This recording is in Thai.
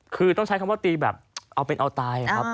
คือต้องใช้คำว่าตีแบบเอาเป็นเอาตายครับ